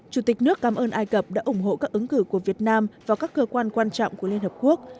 chủ tịch nước cảm ơn ai cập đã ủng hộ các ứng cử của việt nam và các cơ quan quan trọng của liên hợp quốc